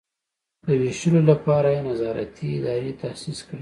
د ویشلو لپاره یې نظارتي ادارې تاسیس کړي.